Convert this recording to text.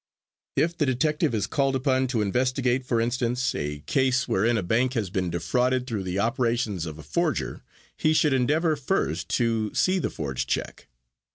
If the detective is called upon to investigate, for instance, a case wherein a bank has been defrauded through the operations of a forger, he should endeavor first to see the forged check.